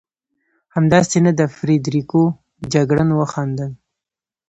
همداسې نه ده فرېدرېکو؟ جګړن وخندل.